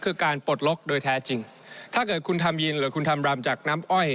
คือการปลดล็อกโดยแท้จริงถ้าเกิดคุณทำยินหรือคุณทำรำจากน้ำอ้อย